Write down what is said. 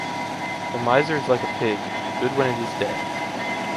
The miser is like a pig, good when it is dead.